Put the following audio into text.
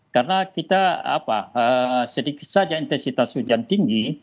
karena kita sedikit saja intensitas hujan tinggi